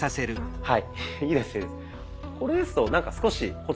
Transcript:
はい。